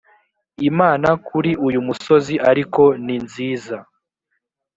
imana kuri uyu musozi ariko ninziza